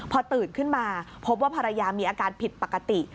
พอตื่นขึ้นมาพบว่าภรรยามีอาการผิดปกติ